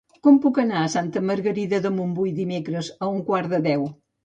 Com puc anar a Santa Margarida de Montbui dimecres a un quart de deu?